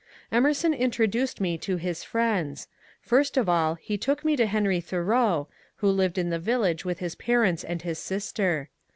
Emerson introduced me to his friends. First of all he took me to Henry Thoreau, who lived in the village with his par ents and his sister.